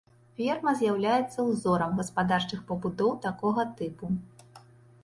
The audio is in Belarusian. Ферма з'яўляецца ўзорам гаспадарчых пабудоў такога тыпу.